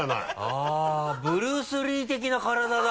あぁブルース・リー的な体だ！